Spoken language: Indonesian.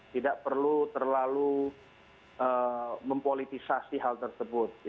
tidak perlu terlalu mempolitisasi hal tersebut